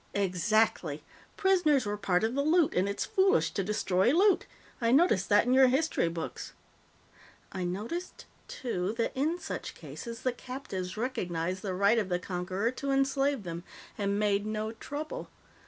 "Exactly. Prisoners were part of the loot, and it's foolish to destroy loot. I noticed that in your history books. I noticed, too, that in such cases, the captives recognized the right of the conqueror to enslave them, and made no trouble.